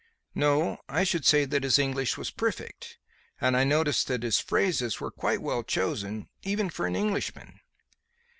"No. I should say that his English was perfect, and I noticed that his phrases were quite well chosen even for an Englishman."